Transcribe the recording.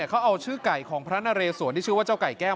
เขาเอาชื่อไก่ของพระนเรสวนที่ชื่อว่าเจ้าไก่แก้ว